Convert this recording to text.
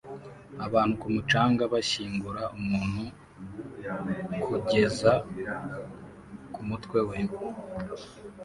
abantu ku mucanga bashyingura umuntu rd kugeza kumutwe we